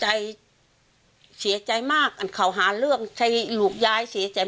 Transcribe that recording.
ใจเสียใจมากอันเขาหาเรื่องใช้ลูกยายเสียใจ